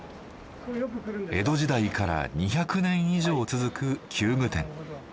江戸時代から２００年以上続く弓具店。